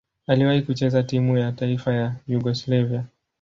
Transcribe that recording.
Aliwahi kucheza timu ya taifa ya Yugoslavia.